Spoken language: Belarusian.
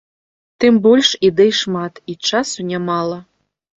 Тым больш, ідэй шмат, і часу нямала.